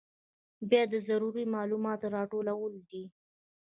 بیا د ضروري معلوماتو راټولول دي.